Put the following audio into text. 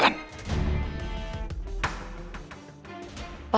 dia nggak akan aku maafkan